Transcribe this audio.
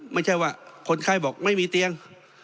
ไม่ใช่ว่าคนไข้บอกไม่มีเตียง